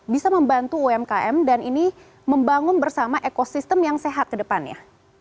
bisa membantu umkm dan ini membangun bersama ekosistem yang sehat kedepannya